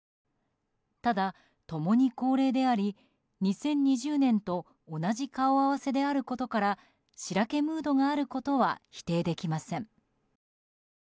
ただ、共に高齢であり２０２０年と同じ顔合わせであることからしらけムードがあることは否定できません。